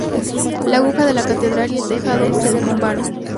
La aguja de la catedral y el tejado se derrumbaron.